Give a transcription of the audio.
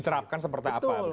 diterapkan seperti apa